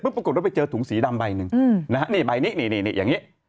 ปรากฏว่าไปเจอถุงสีดำใบหนึ่งนะฮะนี่ใบนี้นี่อย่างนี้